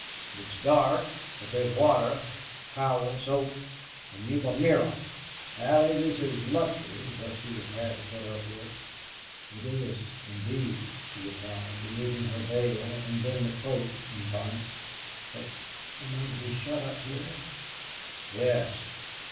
It's dark, but there's water, towel, soap. And you've a mirror.... Allie, this is luxury to what you've had to put up with." "It is, indeed," she replied, removing her veil, and then the cloak and bonnet. "But am I to be shut up here?" "Yes.